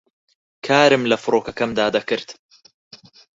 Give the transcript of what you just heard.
کارم لە فڕۆکەکەمدا دەکرد